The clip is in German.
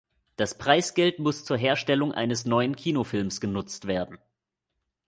Das Preisgeld muss zur Herstellung eines neuen Kinofilms genutzt werden.